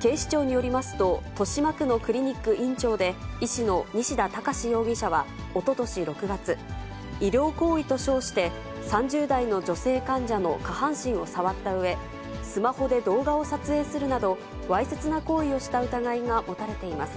警視庁によりますと、豊島区のクリニック院長で医師の西田隆容疑者は、おととし６月、医療行為と称して、３０代の女性患者の下半身を触ったうえ、スマホで動画を撮影するなど、わいせつな行為をした疑いが持たれています。